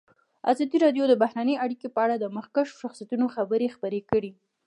ازادي راډیو د بهرنۍ اړیکې په اړه د مخکښو شخصیتونو خبرې خپرې کړي.